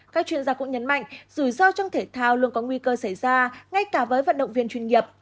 các chuyên gia cũng nhấn mạnh rủi ro trong thể thao luôn có nguy cơ xảy ra ngay cả với vận động viên chuyên nghiệp